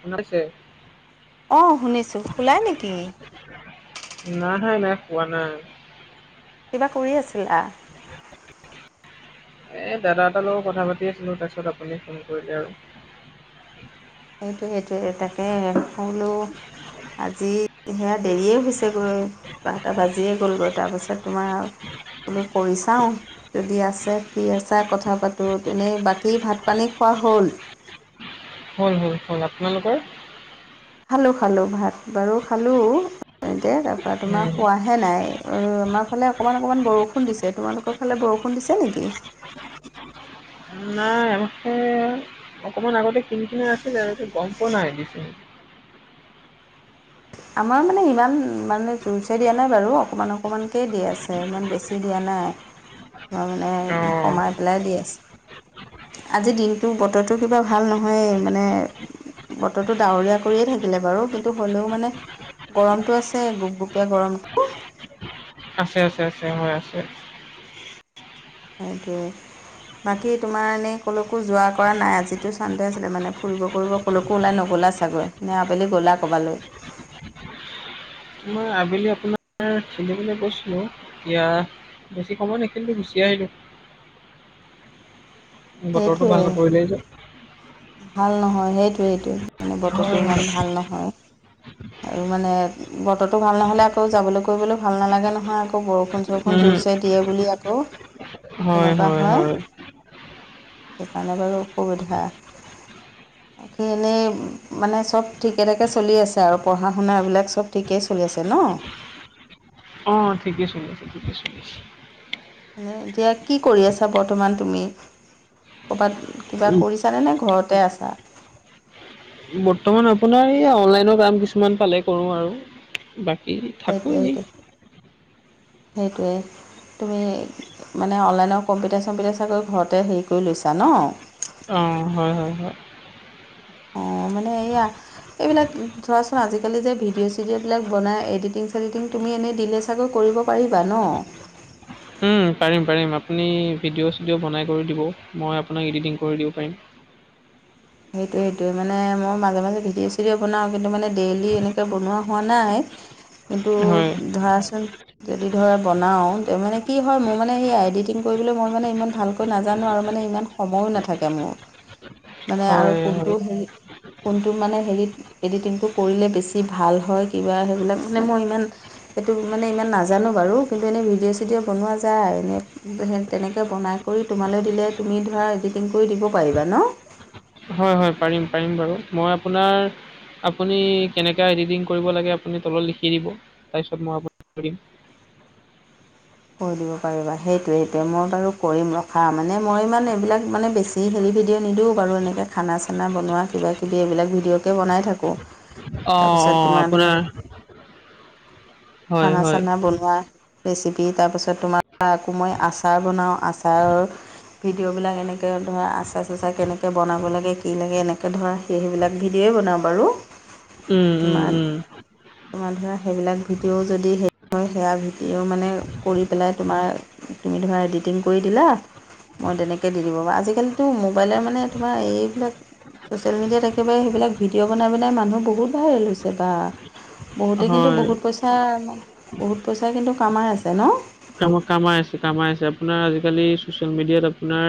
শুনা পাইছে? অহ শুনিছো শুলাই নেকি নাই নাই নাই শুৱা নাই কিবা কৰি আছিলা এ দাদা এটাৰ লগত কথা পাতি আছিলো তাৰপিছত আপুনি ফোন কৰিলে আৰু সেইটোৱে সেইটোৱে তাকে মই বোলো আজি সেয়া দেৰিয়ে হৈছেগৈ বাৰটা বাজিয়ে গ'লগৈ তাৰপিছত তোমাৰ বোলো কৰি চাওঁ যদি আছে ফ্ৰি আছা কথা পাতো তেনেই বাকী ভাত পানী খোৱা হ'ল হল হল হল আপোনালোকৰ খালো খালো ভাত বাৰু খালো এতিয়া তাৰ পৰা তোমাৰ উম, শুৱা হে নাই আমাৰ ফালে অকণমান অকণমান বৰষুণ দিছে তোমালোকৰ ফালে বৰষুণ দিছে নেকি নাই এফালে অকণমান আগতে কিন কিনাই আছিলে তাৰ পিছত গম পোৱা নাই দিচে আমাৰ মানে ইমান মানে জোৰছে দিয়া নাই বাৰু অকণমান অকণমানকে দি আছে ইমান বেছি দিয়া নাই আমাৰ মানে অ', কমাই পেলাই দি আছে আজিৰ দিনটো বতৰটো কিবা ভাল নহয়ে মানে বতৰটো ডাৱৰীয়া কৰিয়ে থাকিলে বাৰু কিন্তু হ'লেও মানে গৰমটো আছে গোপগোপীয়া গৰম [inaudible] আছে আছে আছে হয় আছে সেইটোৱে বাকী তোমাৰ এনেই ক'লৈকো যোৱা কৰা নাই আজিতো চান্দে আছিলে মানে ফুৰিব কৰিব কলৈকো ওলাই নগ'লা ছাগৈ নে আৱেলি গ'লা ক'ৰবালে মই আবেলি আপোনাৰ খেলিবলে গৈছিলো এতিয়া বেছি সময় নেখেলিলো গুচিয়ে আহিলো বতৰতো সেইটোৱে ভাল নকৰিলেই যে ভাল নহয় সেইটোৱে সেইটোৱে মানে বতৰটো হয় হয় ইমান ভাল নহয় আৰু মানে বতৰটো ভাল নহ'লে আকৌ যাবলৈ কৰিবলৈ ভাল নালাগে নহয় আকৌ বৰষুণ চৰষুণ উম, জোৰচে দিয়ে বুলি আকৌ তেনেকুৱা হয় সেইকাৰণে বাৰু অসুবিধা বাকী এনেই মানে চব ঠিকে ঠাকে চলি আছে আৰু পঢ়া শুনাবিলাক চব ঠিকেই চলি আছে ন অ ঠিকে চলি আছে ঠিকে চলি আছে মানে এতিয়া কি কৰি আছা বৰ্তমান তুমি ক'বাত কিবা উম, কৰি ছা নে ঘৰতে আছা বৰ্তমান আপোনাৰ এইয়া অনলাইনৰ কাম কিছুমান পালে কৰো আৰু বা সেইটোৱে সেইটো সেইটোৱে তুমি মানে অনলাইনৰ কম্পিউটাৰ চম্পিউটাৰ চাগৈ ঘৰতে হেৰি কৰি লৈছা ন অ হয় হয় হয় সেইয়া এইবিলাক ধৰাচোন আজিকালি যে ভিডিঅ' চিডঅবিলাক বনাই এডিটিং চিডিটিং তুমি এনেই দিলে চাগৈ কৰিব পাৰিবা ন উম পাৰিম পাৰিম আপুনি ভিডিঅ' চিডিঅ' বনাই কৰি দিব মই আপোনাক এডিটিং কৰি দিব পাৰিম সেইটোৱে সেইটোৱে মানে মই মাজে মাজে ভিডিঅ' চিডিঅ' বনাওঁ কিন্তু মানে ডেইলি এনেকৈ বনোৱা হোৱা নাই এইটো হয়, ধৰাচোন যদি ধৰা বনাওঁ মানে কি হয় মোৰ মানে সেই এডিটিং কৰিবলৈ মই মানে ইমান ভালকৈ নাজানো আৰু মানে ইমান সময়ো নাথাকে মোৰ মানে আৰু হয়, হয়। ফোনটো হেৰি কোনটো মানে হেৰি এডিটিংটো কৰিলে বেছি ভাল হয় কিবা সেইবিলাক মানে মই ইমান সেইটো মানে ইমান নাজানো বাৰু কিন্তু এনেই ভিডিঅ'-চিডিঅ' বনোৱা যায় এনেই। [unintelligible] সেই তেনেকে বনাই কৰি তোমালৈ দিলে তুমি ধৰা এডিটিং কৰি দিব পাৰিবা ন? [inaudible] হয়-হয়, পাৰিম-পাৰিম বাৰু। মই আপোনাৰ [inaudible] আপুনি কেনেকা এডিটিং কৰিব লাগে আপুনি তলত লিখি দিব তাৰপিছত মই আপোনাৰ কৰিম [inaudible] কৰি দিব পাৰিবা সেইটোৱে-সেইটোৱে মই বাৰু কৰিম ৰখা মানে মই ইমান এইবিলাক মানে বেছি [inaudible] যি হেৰি ভিডিঅ' নিদিওঁ বাৰু এনেকৈ খানা-চানা বনোৱা কিবাকিবি এইবিলাক ভিডিঅ'কে বনাই থাকোঁ। [inaudible] অ', তাৰপিছত অ' তোমাৰ ধৰা আপোনাৰ [inaudible] হয়, হয়। খানা-চানা বনোৱা। [unintelligible] ৰেচিপি তাৰপাছত তোমাৰ আকৌ মই আচাৰ বনাওঁ আচাৰৰ [inaudible] ভিডিঅ'বিলাক এনেকৈ ধৰা আচাৰ-চাচাৰ কেনেকৈ বনাব লাগে কি লাগে এনেকৈ ধৰা [inaudible] সেইবিলাক ভিডিঅ'ৱে বনাওঁ বাৰু। উম, উম, উম। তোমাৰ-তোমাৰ ধৰা সেইবিলাক ভি [inaudible] ভিডিঅ' যদি হেৰি হয় সেয়া ভিডিঅ' মানে কৰি পেলাই তোমাৰ [inaudible] তুমি ধৰা এডিটিং কৰি দিলা [inaudible] মই তেনেকৈ দিলোঁ। আজিকালিতো মোবাইলৰ মানে তোমাৰ এইবিলাক [inaudible] ছ'চিয়েল মিডিয়াত একেবাৰে সেইবিলাক ভিডিঅ' বনাই-বনাই মানুহ বহুত ভাইৰেল হৈছে বা। [inaudible] বহুতে কিন্তু হয়। বহুত পইচা, বহুত পইচা কিন্তু কামাই আছে ন? [unintelligible] [inaudible] কামাই আছে, কামাই আছে। আপোনাৰ আজিকালি চচিয়েল মিডিয়াত আপোনাৰ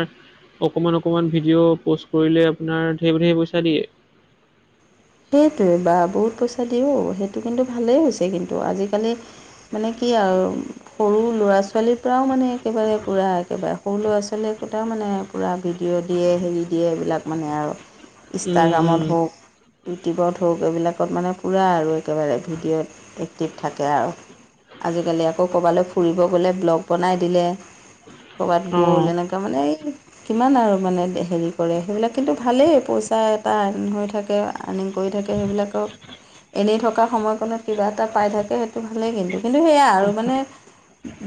অকমান-অকমান ভিডিঅ' প'ষ্ট কৰিলে আপোনাৰ ধেৰ-ধেৰ পইচা দিয়ে। [inaudible] সেইটোৱে বা বহুত পইচা দিয়ে অ। সেইটো কিন্তু ভালেই হৈছে কিন্তু আজিকালি [inaudible] মানে কি আৰু [unintelligible] সৰু ল'ৰা-ছোৱালীৰ পৰাও মানে একেবাৰে পুৰা একেবাৰে সৰু ল'ৰা-ছোৱালী একোটা মানে [inaudible] পুৰা ভিডিঅ' দিয়ে, হেৰি দিয়ে এইবিলাক মানে আৰু উম, উম। ইনষ্টাগ্ৰামত হওক [unintelligible] ইউটিউবত হওক এইবিলাকত মানে পুৰা আৰু একেবাৰে ভিডিঅ'ত এক্টিভ থাকে আৰু। [inaudible] আজিকালি আকৌ ক'ৰবালৈ ফুৰিব গ'লে ব্লগ বনাই দিলে। [unintelligible] ক'ৰবাত অঁ, গ'ল এনেকুৱা মানে এই। [inaudible] কিমান আৰু মানে হেৰি কৰে সেইবিলাক কিন্তু ভালেই পইচা এটা আৰ্ণিং হৈ থাকে। [inaudible] আৰ্ণিং কৰি থাকে সেইবিলাকক [inaudible] এনেই থকা সময়কণত কিবা এটা পাই থাকে সেইটো ভালেই কিন্তু। কিন্তু সেয়া আৰু মানে [inaudible]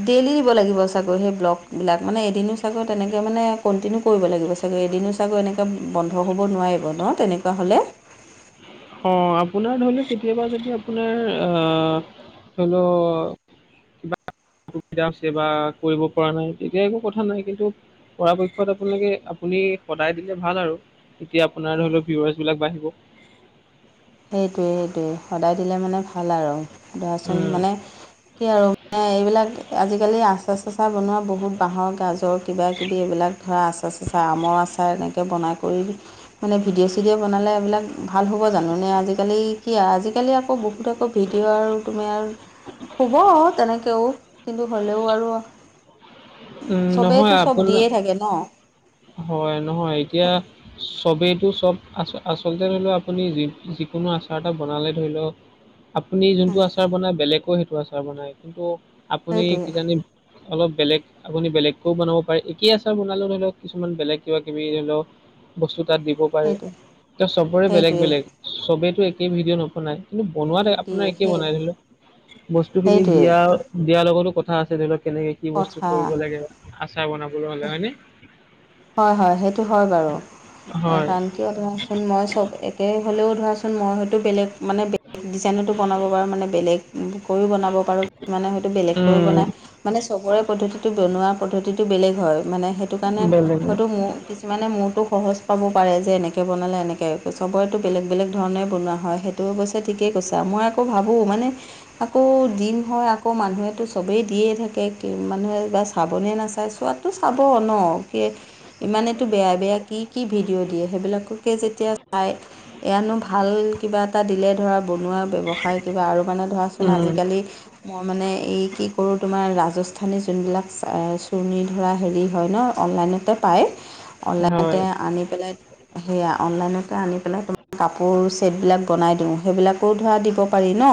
ডেইলি দিব লাগিব চাগৈ সেই ব্লগবিলাক। মানে এদিনো চাগে তেনেকৈ মানে [inaudible] কণ্টিনিউ কৰিব লাগিব চাগৈ। এদিনো চাগৈ এনেকৈ বন্ধ হ'ব নোৱাৰিব ন তেনেকুৱা হ'লে? [inaudible] অঁ! আপোনাৰ ধৰি লওক কেতিয়াবা যদি আপোনাৰ আ ধৰি ল [inaudible] অসুবিধা আছে বা কৰিব পৰা নাই তেতিয়া একো কথা নাই কিন্তু [inaudible] পৰাপক্ষত আপোনালোকে আপুনি সদায় দিলে ভাল আৰু। [unintelligible] তেতিয়া আপোনাৰ অলপ ভিউৱাৰ্চ বিলাক বাঢ়িব। [unintelligible] সেইটোৱে-সেইটোৱে সদায় দিলে মানে ভাল আৰু ধৰা চোন উম, মানে কি আৰু [inaudible] এইবিলাক আজিকালি আচাৰ-চাচাৰ বনোৱা বহুত বাঁহৰ গাজৰ কিবাকিবি এইবিলাক [inaudible] ধৰা আচাৰ-চাচাৰ আমৰ আচাৰ এনেকৈ বনাই কৰি [inaudible] মানে ভিডিঅ-চিডঅ ব'নালে এইবিলাক ভাল হ'ব জানো? [inaudible] মানে আজিকালি কি আজিকালি আকৌ বহুত আকৌ ভিডিঅ' আৰু তোমাৰ [inaudible] হ'ব তেনেকেও কিন্তু হলেও আৰু [inaudible] উম, চবেইতো নহয় চব আপোনাৰ দিয়ে থাকে ন। [inaudible] হয়। নহয় এতিয়া চব [unintelligible] চবেইটো চব আ [unintelligible] আচলতে ধৰি লও আপুনি যি যিকোনো আচাৰ এটা বনালে ধৰি লওক [inaudible] [inaudible] আপুনি যোনটো উম, আচাৰ বনায় বেলেগো সেইটো আচাৰ বনায়। কিন্তু আপুনি সেইটোৱে কিজানি [inaudible] অলপ বেলেগ আপুনি বেলেগকেও বনাব পাৰে একেই আচাৰ বনালেও ধৰি লওক কিছুমান বেলেগ কিবা কিবি ধৰি লও বস্তু তাত দিব পাৰে সেইটোৱে এতি চবৰে বেলেগ সেইটোৱে বেলেগ চবেতো একেই ভিডিঅ, ' নবনাই কিন্তু বনোৱাত আপোনাৰ নিদিয়ে একেই সেই বনাই ধৰি লও বস্তু খিনি সেইটোৱে দিয়া দিয়াৰ লগতো কথা আছে ধৰি লওক কেনেকে কি বস্তু কথা কৰিব লাগে আচাৰ বনাবলৈ হ'লে হয় ন হয় হয় সেইটো হয় বাৰু হয় সেইকাৰণ কিয় ধৰাচোন মই চব একে হ'লেও ধৰাচোন মই হয়তো বেলেগ মানে ডিজাইনতো বনাব পাৰোঁ মানে বেলেগকৈও বনাব পাৰোঁ মানে হয়তো বেলেগকৈও উম, বনায় মানে চবৰে পদ্ধতিটো বনোৱা পদ্ধতিটো বেলেগ হয় মানে সেইটো কাৰণে বেলেগৰ হয়তো কিছুমানে মোৰতো সহজ পাব পাৰে যে এনেকে বনালে এনেকে চবৰেতো বেলেগ বেলেগ ধৰণে বনোৱা হয় সেইটো অৱশ্যে ঠিকেই কৈছা মই আকৌ ভাবোঁ মানে আকৌ দিন হয় আকৌ মানুহেতো চবেই দিয়েই থাকে মানুহে বা চাবনে নাচায় চোৱাত টো চাব ন কি ইমানেতো বেয়া বেয়া কি কি ভিডিঅ' দিয়ে সেইবিলাককে যেতিয়া চাই এ আনো ভাল কিবা এটা দিলে ধৰা বনোৱা ব্যৱসায় কিবা আৰু কাৰণে ধৰাচোন উম, আজিকালি মই মানে এই কি কৰো তোমাৰ ৰাজস্থানী, যোনবিলাক চুুৰণি ধৰা হেৰি হয় ন অনলাইনতে পায় হয়। অনলাইনতে আনি পেলাই সেয়া অনলাইনক আনি পেলাই তোমাৰ কাপোৰ চেটবিলাক বনাই দিওঁ সেইবিলাকো ধৰা দিব পাৰি ন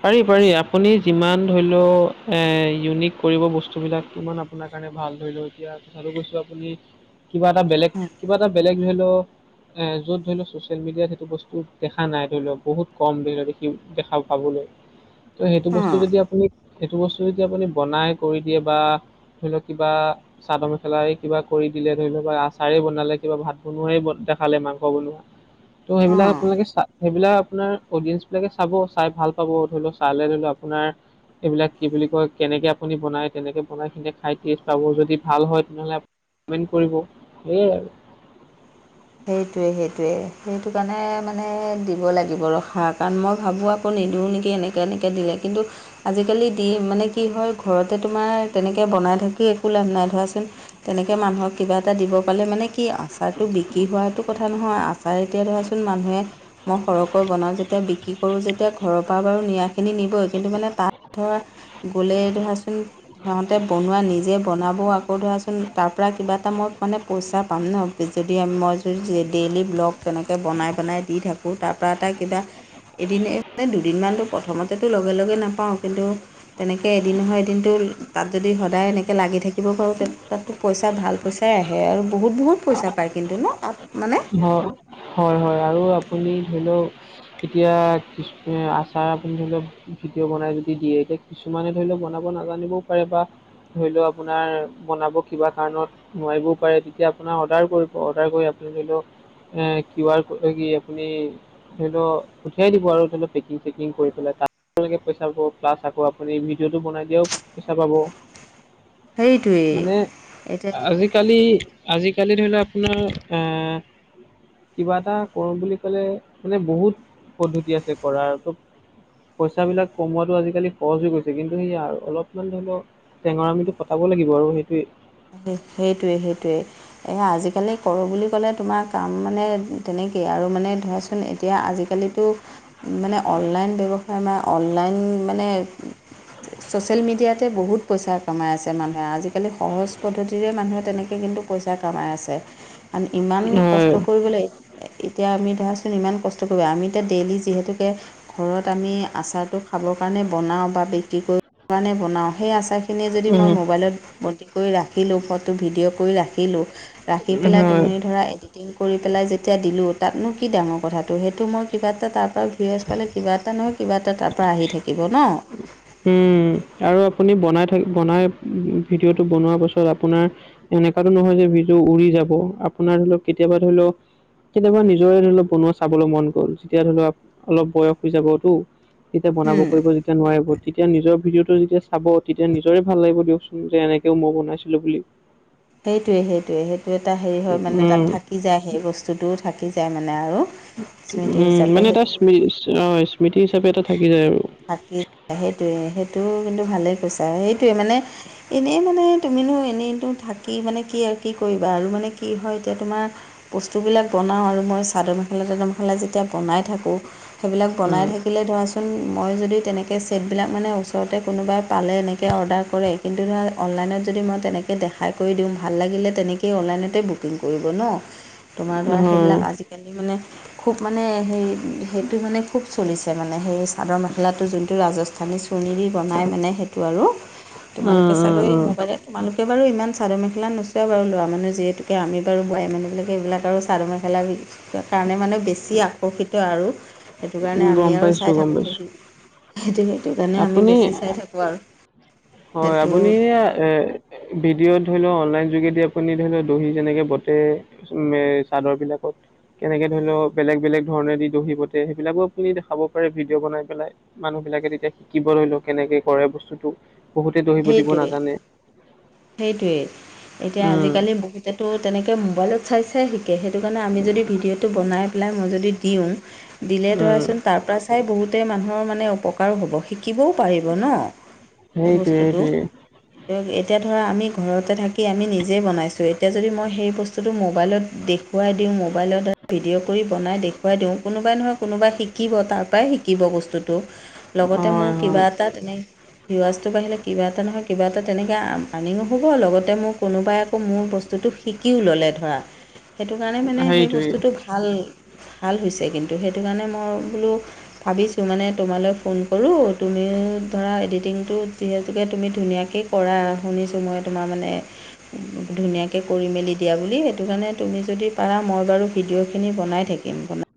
পাৰি পাৰি আপুনি যিমান ধৰি লওক ইউনিক কৰিব বস্তুবিলাক কিমান আপোনাক কাৰণে ভাল ধৰি লও এতিয়া তিছতো কৈছো আপুনি কিবা এটা বেলেগ কিবা এটা বেলেগ ধৰি লও এ য'ত ধৰি লও ছচিয়েল, মিডিয়াত, সেইটো বস্তু দেখা নাই ধৰি লও বহুত কম দেৰি লও দেখি দেখা পাবলৈ ত সেইটো বস্তু যদি আপুনি সেইটো বস্তু যদি আপুনি বনাই কৰি দিয়ে বা ধৰি লওক কিবা চাদৰ মেখেলা কিবা কৰি দিলে ধৰি লওক বা আচাৰেই বনালে কিবা ভাত বনোৱে দেখালে মাংস, বনোৱা। উ [unintelligible] ত' সেইবিলাক আপোনালোকে সেইবিলাক আপোনাৰ অডিয়েঞ্চ বিলাকে চাব চাই ভাল পাব ধৰি লও চালে ধৰি লও আপোনাৰ এইবিলাক কি বুলি কয় কেনেকে আপুনি বনায় তেনেকে বনাই কিনে খাই টেষ্ট পাব যদি ভাল হয় তেনেহ'লে কমেণ্ট কৰিব সেয়াই আৰু সেইটোৱে সেইটোৱে সেইটো কাৰণে মানে দিব লাগিব ৰসাৰ কাৰণ মই ভাবোঁ আ আকৌ নিদোওঁ নেকি এনেকৈ এনেকৈ দিলে কিন্তু আজিকালি দি মানে কি হয় ঘৰতে তোমাৰ তেনেকে বনাই থাকি একো লাভ নাই ধৰাচোন। তেনেকে মানুহক কিবা এটা দিব পালে মানে কি আচাৰটো বিক্ৰী কি হোৱাটো কথা নহয় আচাৰে এতিয়া ধৰাচোন মানুহে মই সৰহকৈ বনাওঁ যেতিয়া বিক্ৰী কৰোঁ যেতিয়া ঘৰৰ পৰা বাৰু নৰাখিনি নিবই কিন্তু মানে তাত ধৰা গ'লেই ধৰাচোন। সিহঁতে বনোৱা নিজে বনাবও আকৌ ধৰাচোন তাৰ পৰা কিবা এটা মই মানে পইচা পাম ন যদি আ মই যোৰ ডেইলী ব্লগ, তেনেকৈ বনাই বনাই দি থাকোঁ তাৰপৰা এটা কিবা এদিন মানে দুদিনমানতটো প্ৰথমতেতো লগে লগে নাপাওঁ কিন্তু তেনেকৈ এদিন নহয় এদিনটো তাত যদি সদায় এনেকৈ লাগি থাকিব পাৰোঁ! তে তাতো পইচা ভাল পইচাই আহে আৰু বহুত বহুত পইচা পায় কিন্তু ন মানে। হয় হয় হয় আৰু আপুনি ধৰি লওক এতিয়া আচাৰ আপুনি ধৰি লওক ভিডিঅ' বনাই যদি দিয়ে এতিয়া। কিছুমানে ধৰি লও বনাব নাজানিবও পাৰে বা ধৰি লও আপোনাৰ বনাব কিবা কাৰণত নোৱাৰিবও পাৰে তেতিয়া আপোনাৰ অৰ্ডাৰ কৰিব অৰ্ডাৰ কৰি আপুনি ধৰি লওক এ কিউ আৰ ক কি আপুনি সৰিক পঠিয়াই দিব আৰু সৰি লও পেকিং চেকিং কৰি পেলাই তাত পইচা পাব প্লাছ আকৌ আপুনি ভিডিঅ'টো বনাই দিয়াও পইচা পাব [unintelligible] মানে এতিয়া আজিকালি আজিকালি ধৰি লও আপোনাৰ আহ কিবা এটা কৰো বুলি ক'লে মানে বহুত পদ্ধতি আছে কৰাৰ পইচাবিলাক কমোৱাটো আজিকালি সৰজ হৈ গৈছে কিন্তু সেয়া আৰু অলপমান ধৰি লওক টেঙৰামিটো খটাব লাগিব আৰু সেইটোৱে সেইটোৱে সেইটোৱে এ আজিকালি কৰো বুলি ক'লে তোমাৰ কাম মানে তেনেকেই আৰু মানে ধৰা এতিয়া আজিকালিতো মানে অনলাইন ব্যৱসায় ম অনলাইন মানে ছ'চিয়েল মিডিয়াতে বহুত পইচা কমাই আছে মানুহে আজিকালি সহজ পদ্ধতিৰে মানুহে তেনেকে কিন্তু পইচা কামাই আছে ইমান কষ্ট হয় কৰিবলৈ এতিয়া আমি ধৰাচোন ইমান কষ্ট কৰিব আমি এতিয়া ডেইলি যিহেতুকে ঘৰত আমি আচাৰটো খাবৰ কাৰণে বনাওঁ বা বিক্ৰী কৰিব কাৰণে বনাওঁ সেই আচাৰখি খিনি যদি মই মোবাইলত বতি কৰি ৰাখিলোঁ ফটো ভিডিঅ' কৰি ৰাখিলোঁ ৰাখি উম পেলাই হয় তুমি ধৰা এডিটিং কৰি পেলাই যেতিয়া দিলোঁ তাতনো কি ডাঙৰ কথাটো সেইটো মই কিবা এটা তাৰপৰা ভিৱাচ পালে কিবা এটা নহয় কিবা এটা তাৰপৰা আহি থাকিব ন উম আৰু আপুনি বনাই থাক বনাই ভিডিঅ'টো বনোৱাৰ পাছত আপোনাৰ এনেকুৱাতো নহয় যে বিজু উৰি যাব আপোনাৰ ধৰি লওক কেতিয়াবা ধৰি লওক কেতিয়াবা নিজৰে ধৰি লক বনোৱা চাবলৈ মন গ'ল যেতিয়া ধৰি লওক অলপ বয়স হৈ যাবতো তেতিয়া বনাব কৰিব যেতিয়া নোৱাৰিব তেতিয়া নিজৰ ভিডিঅ'টো যেতিয়া চাব তেতিয়া নিজৰে ভাল লাগিব দিয়কচোন যে এনেকেও মই বনাইছিলো বুলি সেইটোৱে সেইটোৱে সেইটো এটা হেৰি হয় মানে উম তাত থাকি যায় সেই বস্তুটোও থাকি যায় মানে আৰু স্মৃতি উম মানে হিচাপে এটা সেইটো স্মৃ অ স্মৃতি হিচাপে এটা থাকি যায় আৰু থাকি সেইটোৱে সেইটোও কিন্তু ভালেই কৈছে আৰু সেইটোৱে মানে এনেই মানে তুমিনো এনেইতো থাকি মানে কি আৰু কি কৰিবা আৰু মানে কি হয় এতিয়া তোমাৰ বস্তুবিলাক বনাওঁ আৰু মই চাদৰ মেখেলা তাদৰ মেখেলা যেতিয়া বনাই থাকোঁ সেইবিলাক বনাই উম থাকিলে ধৰাচোন মই যদি তেনেকে চেটবিলাক মানে ওচৰতে কোনোবাই পালে এনেকে অৰ্ডাৰ কৰে কিন্তু ধৰা অনলাইনত যদি মই তেনেকৈ দেখাই কৰি দিওঁ ভাল লাগিলে তেনেকেই অনলাইনতে বুকিং কৰিব ন তোমাৰ ধৰা হয় সেইবিলাক আজি কি মানে খুব মানে হে সেইটো মানে খুব চলিছে মানে সেই চাদৰ মেখেলাটো যোনটো ৰাজস্থানী চৰ্ণি দি বনায় মানে সেইটো আৰু উম তোমালোকে এই উম মোবাইলত তোমালোকে বাৰু ইমান চাদৰ মেখেলা এই নোচোৱা বাৰু ল'ৰা মানুহ যিহেতুকে আমি বাৰু বোৱাৰী মানুহবিলাকে এইবিলাক আৰু চাদৰ মেখেলা কাৰণে মানে বেছি আকৰ্ষিত আৰু সেইটো কাৰণে উম আমি গম আৰু পাইছো চাই গম থাকোঁ পাইছো সেইটো সেইটো সেইটো কাৰণে আমি আপুনি বেছি চাই থাকো আৰু হয় সেইটো আপুনি এ ভিডিওত' ধৰি লওক অনলাইন যোগেদি আপুনি ধৰি লওক দহি যেনেকে বাটে উম মে চাদৰ বিলাকত কেনেকে ধৰি লওক বেলেগ বেলেগ ধৰণে দি দহি বতে সেইবিলাকো আপুনি দেখাব পাৰে ভিডিঅ' বনাই পেলাই মানুহ বিলাকে তেতিয়া শিকিব লৰি লও কেনেকে কৰে বস্তুটো বহুতে দহি বটিব দিব নাজানে সেইটোৱেই এতিয়া উম, আজিকালি বহুত তে তোৰ তেনেকে মোবাইলত চাই চাই শিকে সেইটো কাৰণে আমি যদি ভিডিঅ'টো বনাই পেলাই মই যদি দিওঁ ই ই আহ্। দিলে উম। ধৰাচোন তাৰপৰা খাই বহুতে মানুহৰ মানে উপকাৰো হ'ব শিকিবও পাৰিব ন সেই সেইটোৱে বস্তুটো। সেইটোৱে। তেনেকে। এতিয়া ধৰা আমি ঘৰতে থাকি আমি নিজেই বনাইছোঁ এতিয়া যদি মই সেই বস্তুটো ম'বাইলত দেখ দেখুৱাই দিওঁ মোবাইলৰ দ্বাৰা ভিডিঅ' কৰি বনাই দেখুৱাই দিওঁ কোনোবাই নহয় কোনোবাই শিকিব তাৰপৰাই শিকিব বস্তুটো। বস্তটো আহ আহ। লগতে হয়, মোৰ কিবা হয়। এটা তেনে ভিউৱাজটো বাঢ়িলে কিবা এটা নহয় কিবা এটা তেনেকে আ আ। আৰ্নিঙো হ'ব লগতে মোৰ কোনোবাই আকৌ মোৰ বস্তুটো শিকিও ল'লে ধৰা। সেইটো কাৰণে মানে সেই সেইটোৱে। বস্তুটো ভাল ভাল হৈছে কিন্তু সেইটো কাৰণে মই বোলো আ হা। ভাবিছোঁ মানে তোমালৈ ফোন কৰোঁ তুমি এ এ ধৰা এডিটিংটো যিহেতুকে তুমি ধুনীয়াকে কৰা শুনিছোঁ মই তোমাৰ মানে এ হে। ছ ধু ধু ধুনীয়াকে কৰি মেলি দিয়া বুলি সেইটো কাৰণে তুমি যদি পাৰা মই বাৰু ভিডিঅ' খিনি বনাই থাকিম বন